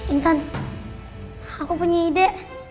intan aku punya ide